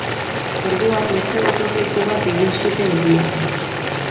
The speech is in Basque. Orduan beste gotorleku bat egin zuten hirian.